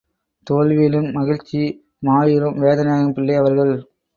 தோல்வியிலும் மகிழ்ச்சி மாயூரம் வேதநாயகம் பிள்ளை அவர்கள்.